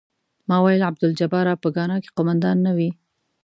ما ویل عبدالجباره په ګانا کې قوماندان نه وې.